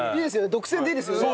独占でいいですよね。